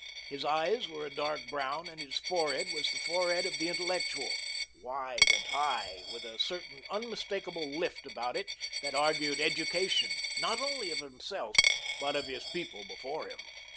His eyes were a dark brown, and his forehead was the forehead of the intellectual, wide and high, with a certain unmistakable lift about it that argued education, not only of himself, but of his people before him.